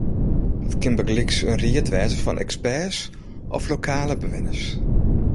Dat kin bygelyks in ried wêze fan eksperts of lokale bewenners.